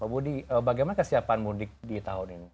budi bagaimana kesiapan mudik di tahun ini